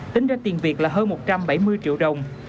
tính ra tiền việc là hơn một trăm bảy mươi triệu đồng